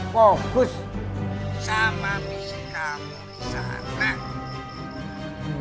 fokus sama bisik kamu di sana